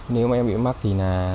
nếu mà em bị mắc thì là